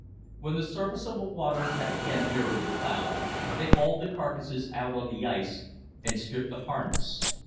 When the surface of the waters had again mirrored the clouds, they hauled the carcasses out on the ice and stripped the harness.